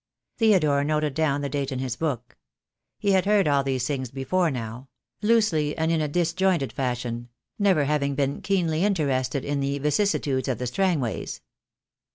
Theodore noted down the date in his book. He had heard all these things before now — loosely, and in a dis jointed fashion — never having been keenly interested in the vicissitudes of the Strangways.